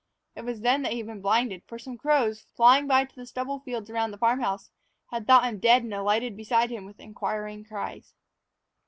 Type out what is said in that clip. It was then that he had been blinded, for some crows, flying by to the stubble fields around the farm house, had thought him dead and had alighted beside him with inquiring cries.